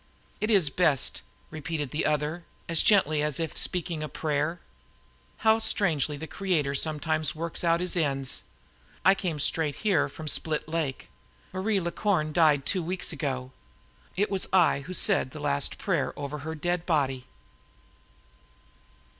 "It is best," repeated the other, as gently as if speaking a prayer. "How strangely the Creator sometimes works out His ends! I came straight here from Split Lake. Marie La Corne died two weeks ago. It was I who said the last prayer over her dead body!"